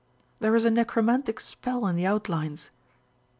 There is a necromantic spell in the outlines.